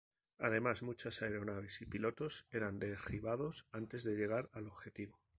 Además, muchas aeronaves y pilotos eran derribados antes de llegar al objetivo.